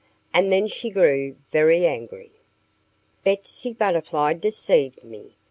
And then she grew very angry. "Betsy Butterfly deceived me!"